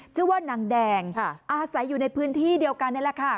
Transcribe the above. ชื่อว่านางแดงอาศัยอยู่ในพื้นที่เดียวกันนี่แหละค่ะ